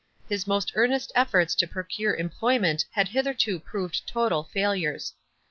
His most earnest efforts to procure employment had hith erto proved total failures.